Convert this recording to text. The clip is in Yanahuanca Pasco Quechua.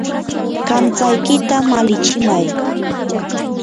kamtsaykita malichimay.